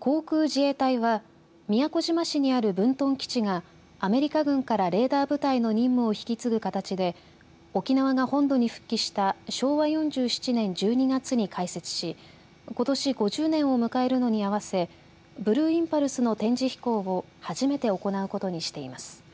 航空自衛隊は宮古島市にある分屯基地がアメリカ軍からレーダー部隊の任務を引き継ぐ形で沖縄が本土に復帰した昭和４７年１２月に開設しことし５０年を迎えるのに合わせブルーインパルスの展示飛行を初めて行うことにしています。